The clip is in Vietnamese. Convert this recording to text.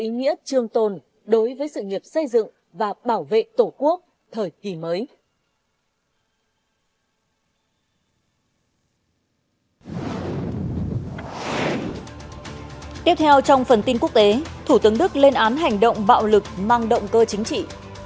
nghĩa trương tồn đối với sự nghiệp xây dựng và bảo vệ tổ quốc thời kỳ mới